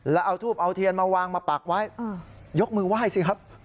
แล้วเอาทูบเอาเทียนมาวางมาปักไว้ยกมือไหว้สิครับ